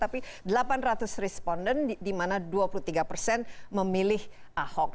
tapi delapan ratus responden di mana dua puluh tiga persen memilih ahok